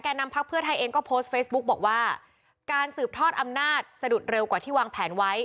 นำพักเพื่อไทยเองก็โพสต์เฟซบุ๊กบอกว่าการสืบทอดอำนาจสะดุดเร็วกว่าที่วางแผนไว้